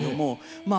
まあ